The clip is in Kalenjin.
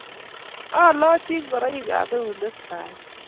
Alachi ngoroikab eunek sai